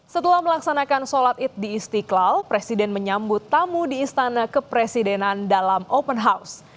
setelah melaksanakan sholat id di istiqlal presiden menyambut tamu di istana kepresidenan dalam open house